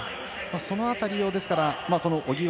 その辺りを荻原